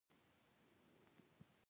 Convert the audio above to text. هېواد ته برېښنا پکار ده